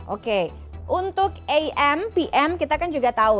oke untuk am pm kita kan juga tahu